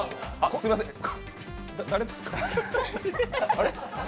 すいません、誰ですか？